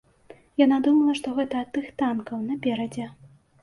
Яна думала, што гэта ад тых танкаў наперадзе.